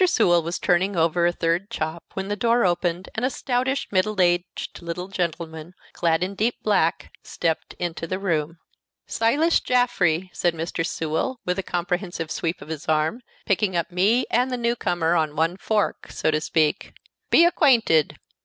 Sewell was turning over a third chop, when the door opened and a stoutish, middle aged little gentleman, clad in deep black, stepped into the room. "Silas Jaffrey," said Mr. Sewell, with a comprehensive sweep of his arm, picking up me and the new comer on one fork, so to speak. "Be acquainted!"